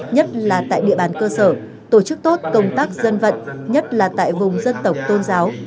nhất là tại địa bàn cơ sở tổ chức tốt công tác dân vận nhất là tại vùng dân tộc tôn giáo